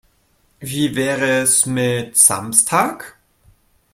Wir wäre es mit Samstag?